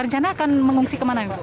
rencana akan mengungsi kemana ibu